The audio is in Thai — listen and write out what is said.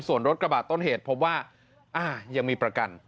ส่วนรถกระบาดต้นเหตุพบว่ายังมีประกัน